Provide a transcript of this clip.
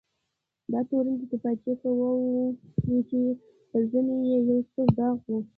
دا تورن د توپچي قواوو و چې پر زنې یې یو سور داغ و.